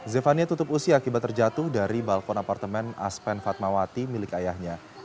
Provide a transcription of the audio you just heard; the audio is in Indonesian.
zefania tutup usia akibat terjatuh dari balkon apartemen aspen fatmawati milik ayahnya